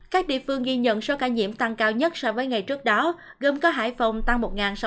các địa phương ghi nhận số ca nhiễm tăng cao nhất so với ngày trước đó gồm có hải phòng tăng một sáu trăm tám mươi tám